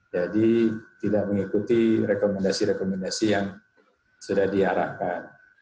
jadi tidak mengikuti rekomendasi rekomendasi yang sudah diarahkan